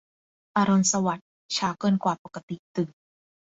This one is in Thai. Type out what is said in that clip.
อรุณสวัสดิ์ เช้าเกินกว่าปกติตื่น